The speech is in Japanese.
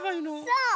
そう！